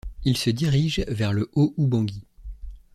Ils se dirigent vers le Haut-Oubangui.